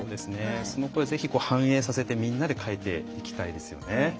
その声、ぜひ反映させてみんなで変えていきたいですよね。